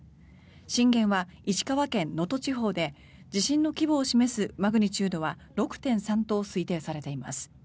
震源は石川県能登地方で地震の規模を示すマグニチュードは６．３と推定されています。